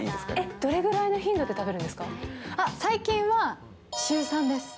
どれぐらいの頻度で食べるん最近は週３です。